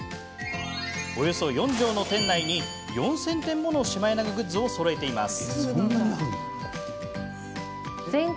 およそ４畳の店内に４０００点ものシマエナガグッズをそろえています。